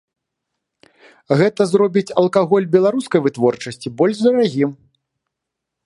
Гэта зробіць алкаголь беларускай вытворчасці больш дарагім.